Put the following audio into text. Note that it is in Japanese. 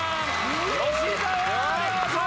吉沢亮さん！